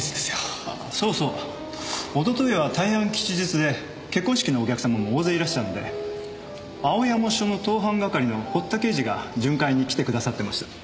あそうそうおとといは大安吉日で結婚式のお客様も大勢いらしたので青山署の盗犯係の堀田刑事が巡回に来てくださってました。